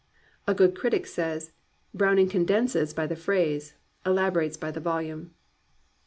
A good critic says "Brown ing condenses by the phrase, elaborates by the volume."